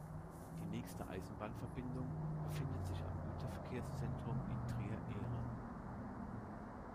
Die nächste Eisenbahnverbindung befindet sich am Güterverkehrszentrum in Trier-Ehrang.